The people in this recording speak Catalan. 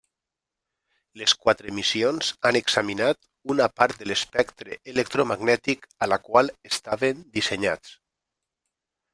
Les quatre missions han examinat una part de l'espectre electromagnètic a la qual estaven dissenyats.